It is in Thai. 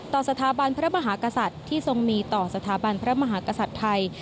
ต่อสถาบันพระมหากษัตริย์ที่ทรงมีต่อสถาบันพระมหากษัตริย์ไทย